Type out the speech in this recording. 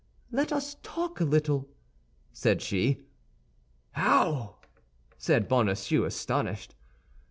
"Let us talk a little," said she. "How!" said Bonacieux, astonished.